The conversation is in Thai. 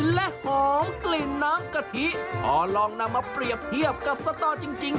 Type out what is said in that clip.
และหอมกลิ่นน้ำกะทิพอลองนำมาเปรียบเทียบกับสตอจริง